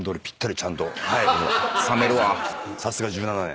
さすが１７年。